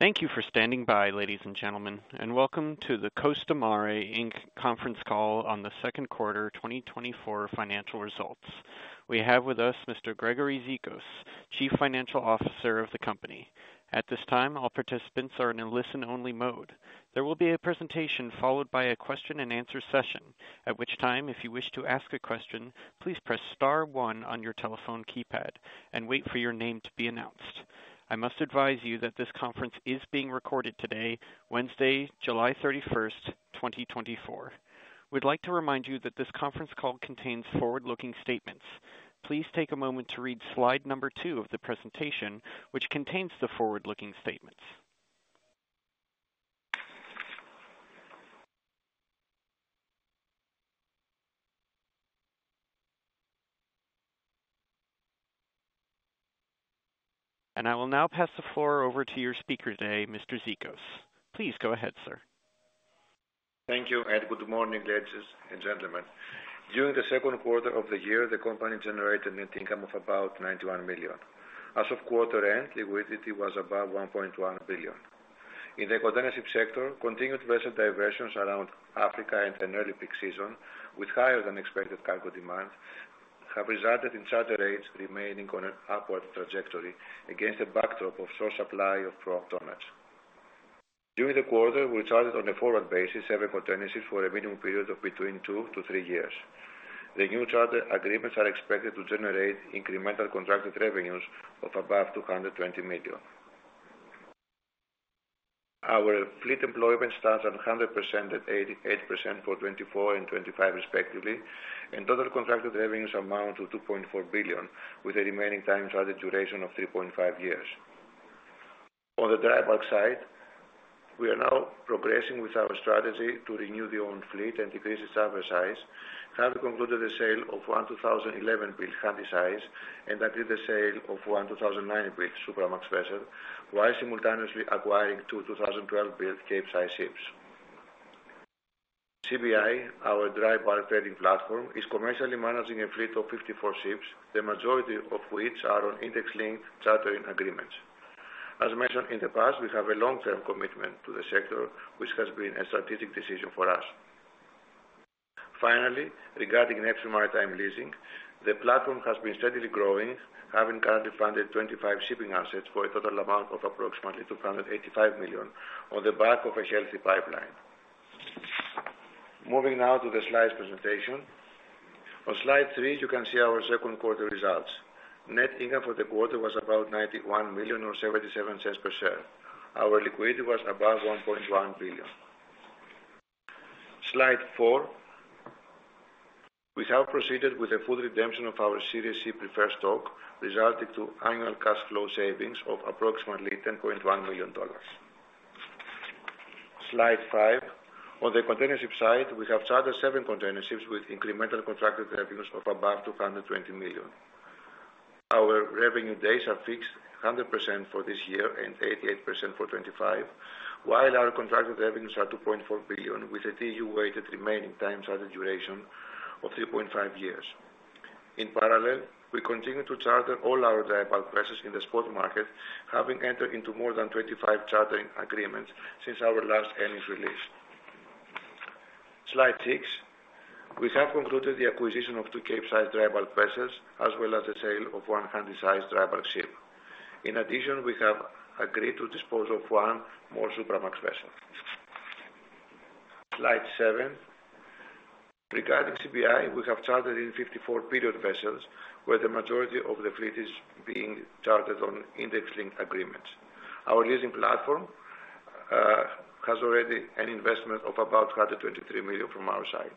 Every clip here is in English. Thank you for standing by, ladies and gentlemen, and welcome to the Costamare Inc. conference call on the second quarter 2024 financial results. We have with us Mr. Gregory Zikos, Chief Financial Officer of the company. At this time, all participants are in a listen-only mode. There will be a presentation followed by a question-and-answer session, at which time, if you wish to ask a question, please press star one on your telephone keypad and wait for your name to be announced. I must advise you that this conference is being recorded today, Wednesday, July 31st, 2024. We'd like to remind you that this conference call contains forward-looking statements. Please take a moment to read slide number two of the presentation, which contains the forward-looking statements. I will now pass the floor over to your speaker today, Mr. Zikos. Please go ahead, sir. Thank you, and good morning, ladies and gentlemen. During the second quarter of the year, the company generated net income of about $91 million. As of quarter end, liquidity was about $1.1 billion. In the container sector, continued vessel diversions around Africa and the nearly peak season, with higher than expected cargo demand, have resulted in charter rates remaining on an upward trajectory against a backdrop of scarce supply of new tonnage. During the quarter, we chartered on a forward basis seven containerships for a minimum period of between two to three years. The new charter agreements are expected to generate incremental contracted revenues of about $220 million. Our fleet employment stands at 100% and 88% for 2024 and 2025, respectively, and total contracted revenues amount to $2.4 billion, with a remaining time-charter duration of 3.5 years. On the dry bulk side, we are now progressing with our strategy to renew the owned fleet and decrease its harbor size, having concluded the sale of one 2011-built Handysize and agreed the sale of one 2009-built Supramax vessel, while simultaneously acquiring two 2012-built Capesize ships. CBI, our dry bulk trading platform, is commercially managing a fleet of 54 ships, the majority of which are on index-linked chartering agreements. As mentioned in the past, we have a long-term commitment to the sector, which has been a strategic decision for us. Finally, regarding Neptune Maritime Leasing, the platform has been steadily growing, having currently funded 25 shipping assets for a total amount seven, regarding CBI, we have chartered in 54 period vessels, where the majority of the fleet is being chartered on index-linked agreements. Our leasing platform has already an investment of about $123 million from our side.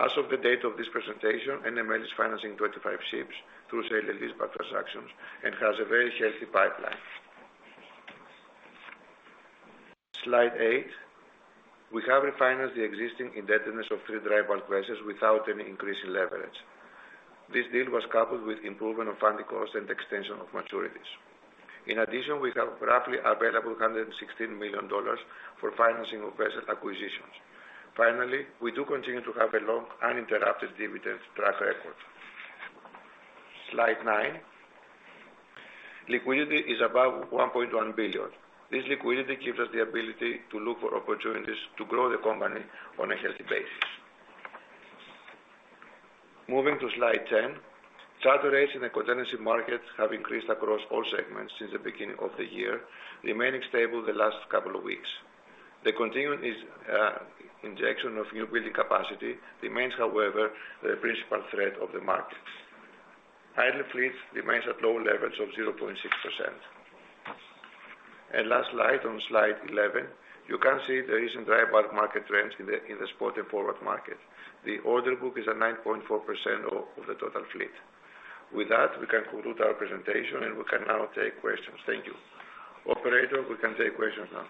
As of the date of this presentation, NML is financing 25 ships through sale and leaseback transactions and has a very healthy pipeline. Slide eight, we have refinanced the existing indebtedness of three dry bulk vessels without any increase in leverage. This deal was coupled with improvement of funding costs and extension of maturities. In addition, we have roughly available $116 million for financing of vessel acquisitions. Finally, we do continue to have a long uninterrupted dividend track record. Slide nine, liquidity is above $1.1 billion. This liquidity gives us the ability to look for opportunities to grow the company on a healthy basis. Moving to slide 10, charter rates in the container market have increased across all segments since the beginning of the year, remaining stable the last couple of weeks. The continuing injection of newbuilding capacity remains, however, the principal threat of the market. Idle fleet remains at low levels of 0.6%. Last slide on slide 11, you can see the recent dry bulk market trends in the spot and forward market. The order book is at 9.4% of the total fleet. With that, we can conclude our presentation, and we can now take questions. Thank you. Operator, we can take questions now.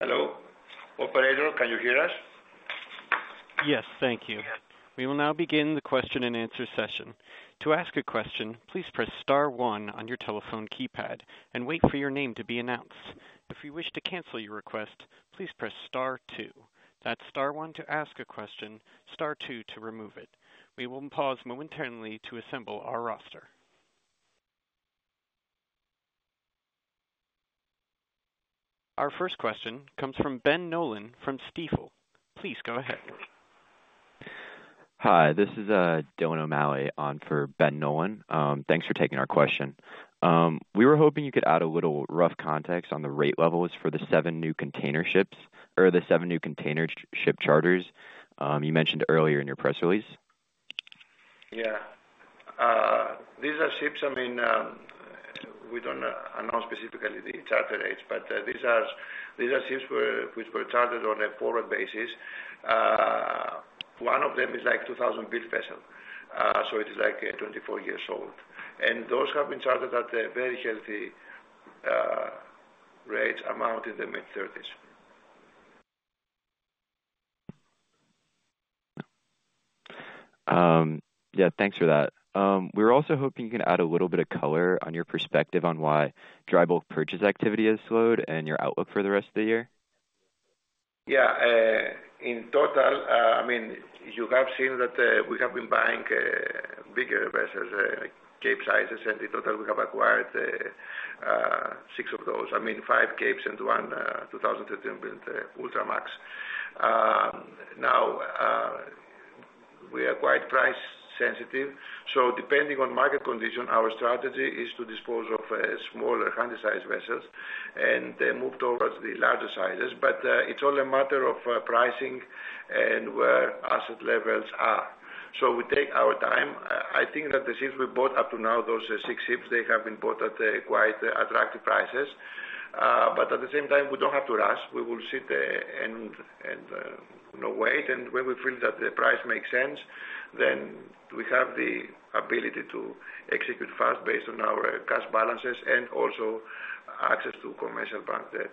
Hello. Operator, can you hear us? Yes, thank you. We will now begin the question-and-answer session. To ask a question, please press star one on your telephone keypad and wait for your name to be announced. If you wish to cancel your request, please press star two. That's star one to ask a question, star two to remove it. We will pause momentarily to assemble our roster. Our first question comes from Ben Nolan from Stifel. Please go ahead. Hi, this is Donal Murray on for Ben Nolan. Thanks for taking our question. We were hoping you could add a little rough context on the rate levels for the seven new container ships or the seven new container ship charters you mentioned earlier in your press release. Yeah. These are ships, I mean, we don't announce specifically the charter rates, but these are ships which were chartered on a forward basis. One of them is like 2000-built vessel, so it is like 24 years old. And those have been chartered at a very healthy rate, amounting to the mid-30s. Yeah, thanks for that. We were also hoping you can add a little bit of color on your perspective on why dry bulk purchase activity has slowed and your outlook for the rest of the year. Yeah. In total, I mean, you have seen that we have been buying bigger vessels, Capesize, and in total, we have acquired six of those. I mean, five Capes and one 2013-built Ultramax. Now, we are quite price-sensitive, so depending on market condition, our strategy is to dispose of smaller Handysize vessels and then move towards the larger sizes. But it's all a matter of pricing and where asset levels are. So we take our time. I think that the ships we bought up to now, those six ships, they have been bought at quite attractive prices. But at the same time, we don't have to rush. We will sit and wait. And when we feel that the price makes sense, then we have the ability to execute fast based on our cash balances and also access to commercial bank debt.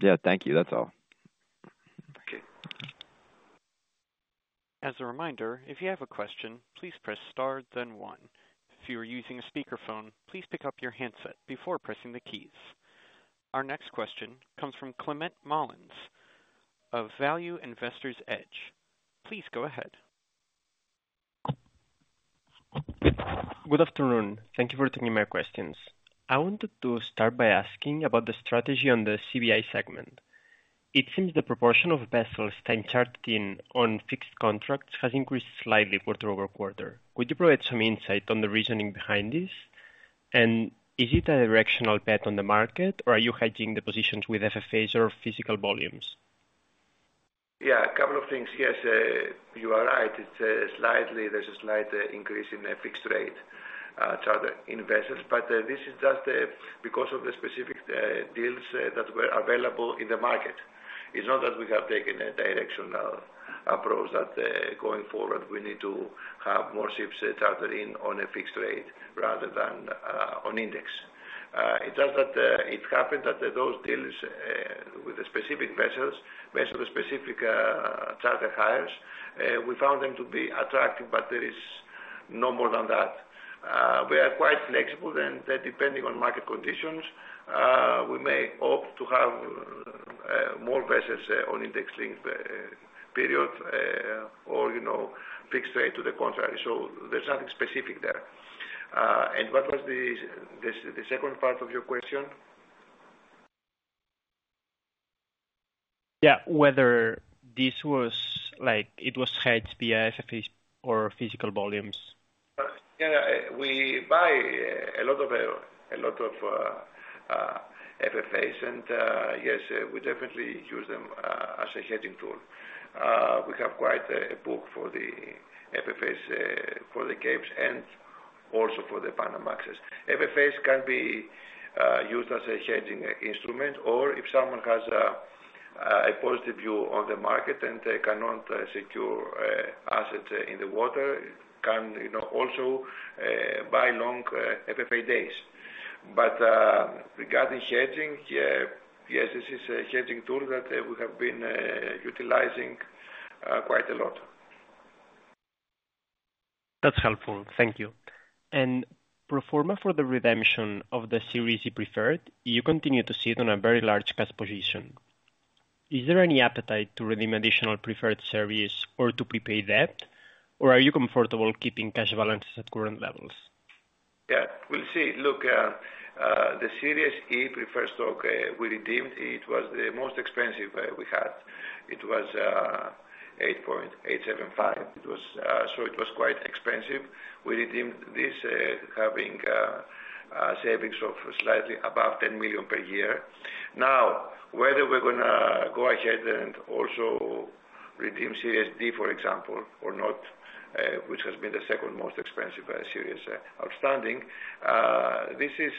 Yeah, thank you. That's all. Okay. As a reminder, if you have a question, please press star, then one. If you are using a speakerphone, please pick up your handset before pressing the keys. Our next question comes from Climent Molins of Value Investor's Edge. Please go ahead. Good afternoon. Thank you for taking my questions. I wanted to start by asking about the strategy on the CBI segment. It seems the proportion of vessels time chartered in on fixed contracts has increased slightly quarter-over-quarter. Could you provide some insight on the reasoning behind this? And is it a directional bet on the market, or are you hedging the positions with FFAs or physical volumes? Yeah, a couple of things. Yes, you are right. It's slightly. There's a slight increase in fixed rate chartering vessels, but this is just because of the specific deals that were available in the market. It's not that we have taken a directional approach that going forward we need to have more ships chartered in on a fixed rate rather than on index. It's just that it happened that those deals with the specific vessels, vessels with specific charter hires, we found them to be attractive, but there is no more than that. We are quite flexible, and depending on market conditions, we may opt to have more vessels on index-linked period or fixed rate to the contrary. So there's nothing specific there. And what was the second part of your question? Yeah, whether this was like it was hedged via FFAs or physical volumes. Yeah, we buy a lot of FFAs, and yes, we definitely use them as a hedging tool. We have quite a book for the FFAs for the Capes and also for the Panamaxes. FFAs can be used as a hedging instrument, or if someone has a positive view on the market and cannot secure assets in the water, can also buy long FFA days. But regarding hedging, yes, this is a hedging tool that we have been utilizing quite a lot. That's helpful. Thank you. And pro forma for the redemption of the Series C preferred, you continue to sit on a very large cash position. Is there any appetite to redeem additional preferred series or to prepay debt, or are you comfortable keeping cash balances at current levels? Yeah, we'll see. Look, the Series E Preferred Stock we redeemed, it was the most expensive we had. It was 8.875%. So it was quite expensive. We redeemed this having savings of slightly above $10 million per year. Now, whether we're going to go ahead and also redeem Series D, for example, or not, which has been the second most expensive series outstanding, this is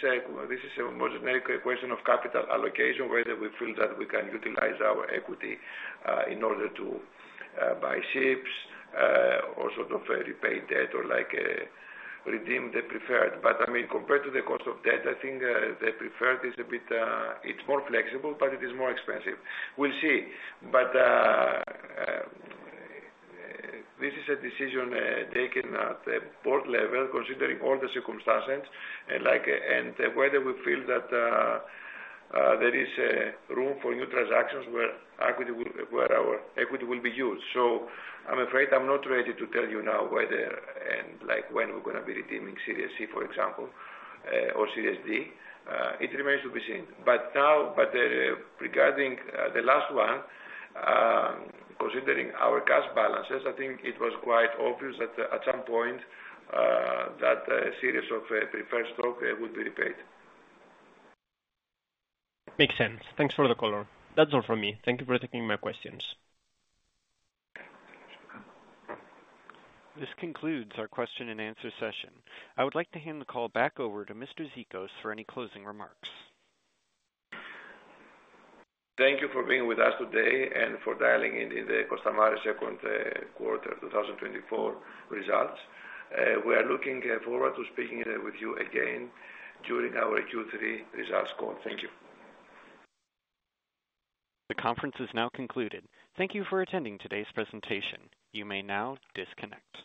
a more generic question of capital allocation, whether we feel that we can utilize our equity in order to buy ships or sort of repay debt or redeem the Preferred. But I mean, compared to the cost of debt, I think the Preferred is a bit more flexible, but it is more expensive. We'll see. But this is a decision taken at the board level, considering all the circumstances, and whether we feel that there is room for new transactions where our equity will be used. So I'm afraid I'm not ready to tell you now whether and when we're going to be redeeming Series C, for example, or Series D. It remains to be seen. But regarding the last one, considering our cash balances, I think it was quite obvious that at some point that series of preferred stock would be repaid. Makes sense. Thanks for the color. That's all from me. Thank you for taking my questions. This concludes our question-and-answer session. I would like to hand the call back over to Mr. Zikos for any closing remarks. Thank you for being with us today and for dialing in to the Costamare Second Quarter 2024 results. We are looking forward to speaking with you again during our Q3 results call. Thank you. The conference is now concluded. Thank you for attending today's presentation. You may now disconnect.